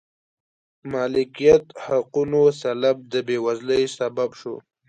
مالکیت حقونو سلب د بېوزلۍ سبب شو.